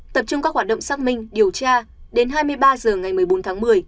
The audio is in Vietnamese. tập trung các hoạt động xác minh điều tra đến hai mươi ba h ngày một mươi bốn tháng một mươi